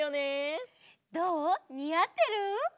どう？にあってる？